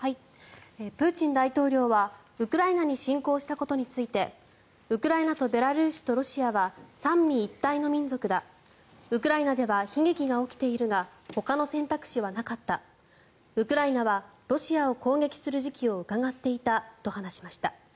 プーチン大統領はウクライナに侵攻したことについてウクライナとベラルーシとロシアは三位一体の民族だウクライナでは悲劇が起きているがほかの選択肢はなかったウクライナはロシアを攻撃する時期をうかがっていたと話しました。